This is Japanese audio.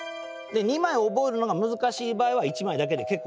２枚覚えるのが難しい場合は１枚だけで結構です。